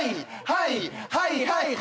はいはいはい！」